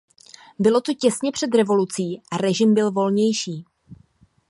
Bylo to těsně před revolucí a režim byl volnější.